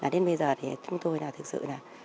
đến bây giờ thì chúng tôi là thực sự là